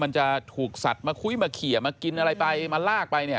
มันจะถูกสัตว์มาคุยมาเขียมากินอะไรไปมาลากไปเนี่ย